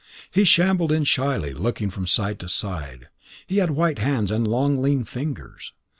He shambled in shyly, looking from side to side. He had white hands and long, lean fingers.